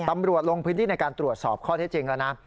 ลงพื้นที่ในการตรวจสอบข้อเท็จจริงแล้วนะ